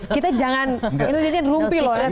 kita jangan ini jadi rumpi loh